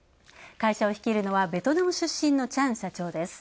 会社を率いるのはベトナム出身のチャン社長です。